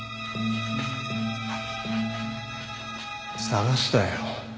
捜したよ。